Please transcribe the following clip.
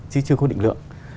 chứ chưa có định lượng